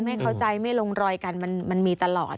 ไม่เข้าใจไม่ลงรอยกันมันมีตลอด